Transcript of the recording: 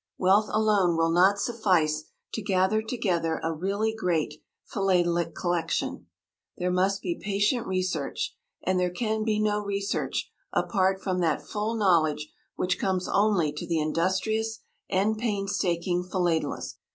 Wealth alone will not suffice to gather together a really great philatelic collection. There must be patient research, and there can be no research apart from that full knowledge which comes only to the industrious and painstaking Philatelist.